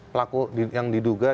pelaku yang diduga